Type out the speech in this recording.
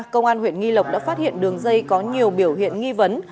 công an huyện nghi lộc đã phát hiện đường dây có nhiều biểu hiện nghi vấn